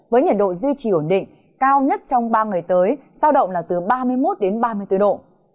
với nhiệt độ duy trì ổn định cao nhất trong ba ngày tới sao động là từ ba mươi một đến ba mươi bốn độ